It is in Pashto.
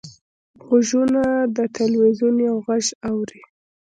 غوږونه د تلویزیون غږ اوري